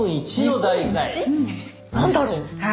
何だろう？